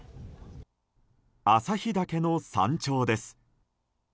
旭岳の山頂です。